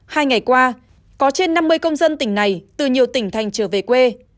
hai ngày qua có trên năm mươi công dân tỉnh này từ nhiều tỉnh thành trở về quê